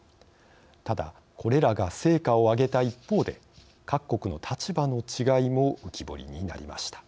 ただこれらが成果を上げた一方で各国の立場の違いも浮き彫りになりました。